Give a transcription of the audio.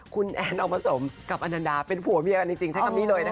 คุณแอนออกมาสมกับอนันดาเป็นผัวเมียกันจริงใช้คำนี้เลยนะคะ